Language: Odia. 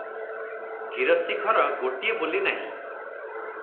ଗିରସ୍ତି ଘର ଗୋଟିଏ ବୋଲି ନାହିଁ ।